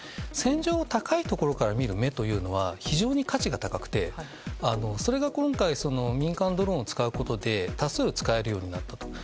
戦場を高いところから見る目というのは非常に価値が高くてそれが今回、民間ドローンを使うことで多数使えるようになったと。